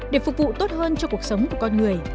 để phục vụ tốt hơn cho cuộc sống của con người